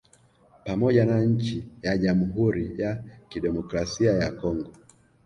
Pamoja na nchi ya Jamhuri ya Kidemokrasia ya Congo